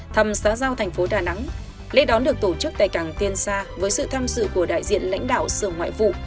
thăm xã giao thành phố đà nẵng lễ đón được tổ chức tại cảng tiên sa với sự tham dự của đại diện lãnh đạo sở ngoại vụ